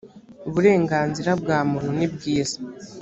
uburenganzira bwamuntu nibwiza